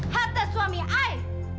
harta suami saya